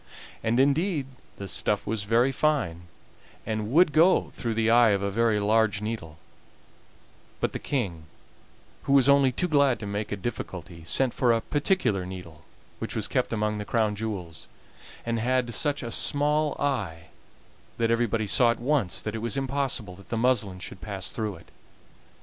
And indeed the stuff was very fine, and would go through the eye of a very large needle; but the King, who was only too glad to make a difficulty, sent for a particular needle, which was kept among the Crown jewels, and had such a small eye that everybody saw at once that it was impossible that the muslin should pass through it.